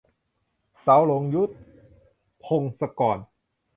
สาวหลงยุค - พงศกร